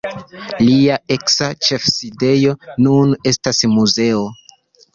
Lia eksa ĉefsidejo nun estas muzeo.